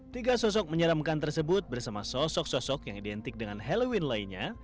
tiga sosok menyeramkan tersebut bersama sosok sosok yang identik dengan halloween lainnya